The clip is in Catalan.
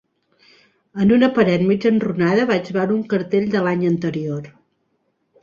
En una paret mig enrunada vaig veure un cartell de l'any anterior